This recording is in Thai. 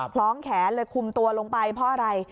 พร้อมแขนคุมตัวลงไปเพราะอะไร